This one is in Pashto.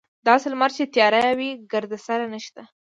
داسې لمر چې تیاره وي ګردسره نشته.